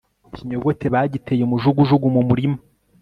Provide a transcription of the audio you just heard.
ikinyogote bagiteye umujugujugu mu murima